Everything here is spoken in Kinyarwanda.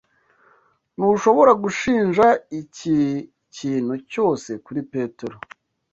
Ntushobora gushinja iki kintu cyose kuri Petero.